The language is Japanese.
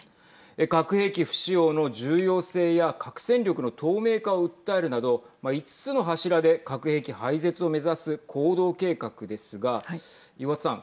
核兵器不使用の重要性や核戦力の透明化を訴えるなど５つの柱で核兵器廃絶を目指す行動計画ですが岩田さん